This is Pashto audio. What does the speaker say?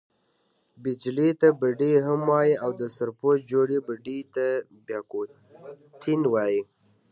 بیجلي ته بډۍ هم وايي او، د سرپو جوړي بډۍ ته بیا کوټین وايي.